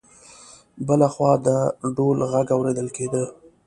له بل خوا د ډول غږ اورېدل کېده.